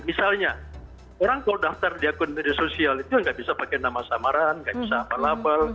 misalnya orang kalau daftar di akun media sosial itu nggak bisa pakai nama samaran nggak bisa apel abal